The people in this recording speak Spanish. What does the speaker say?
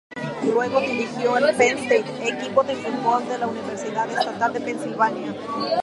Luego, dirigió al Penn State, equipo de fútbol de la universidad estatal de Pensilvania.